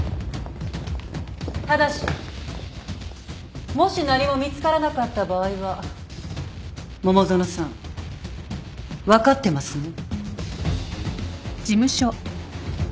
ただしもし何も見つからなかった場合は桃園さん分かってますね？